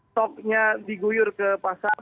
topnya diguyur ke pasar